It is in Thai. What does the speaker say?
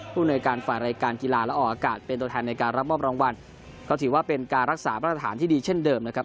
หน่วยการฝ่ายรายการกีฬาและออกอากาศเป็นตัวแทนในการรับมอบรางวัลก็ถือว่าเป็นการรักษามาตรฐานที่ดีเช่นเดิมนะครับ